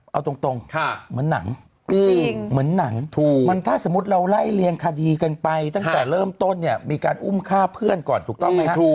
เอาตรงเหมือนหนังเหมือนหนังถูกถ้าสมมุติเราไล่เรียงคดีกันไปตั้งแต่เริ่มต้นเนี่ยมีการอุ้มฆ่าเพื่อนก่อนถูกต้องไหมฮะ